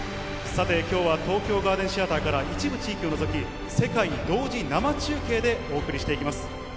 さて、きょうは東京ガーデンシアターから、一部地域を除き、世界同時生中継でお送りしていきます。